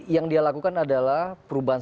yang dia lakukan adalah perubahan